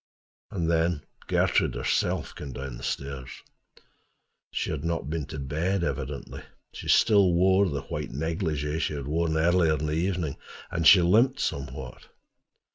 And then Gertrude herself came down the stairs. She had not been to bed, evidently: she still wore the white negligée she had worn earlier in the evening, and she limped somewhat.